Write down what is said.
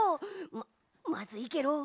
まっまずいケロ。